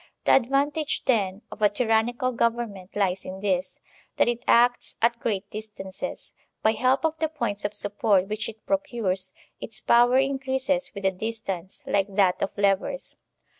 The advantage, then, of a tyrannical government lies in this, that it acts at great distances. By help of the points of support which it procures, its power increases with the distance, like that of levers.